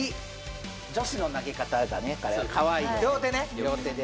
女子の投げ方だねこれかわいい両手ね